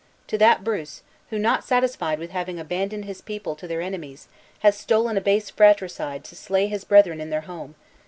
to that Bruce, who, not satisfied with having abandoned his people to their enemies, has stolen a base fratricide to slay his brethren in their home!